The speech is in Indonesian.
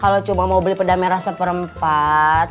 kalau cuma mau beli peda merah seperempat